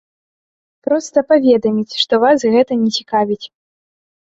Проста паведаміць, што вас гэта не цікавіць.